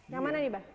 yang mana nih mbah